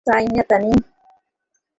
তাই না, তানি?